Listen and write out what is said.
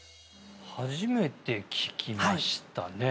初めて聞きましたね